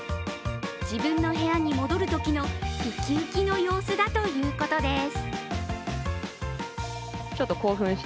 自分の部屋に戻るときのウキウキの様子だということです。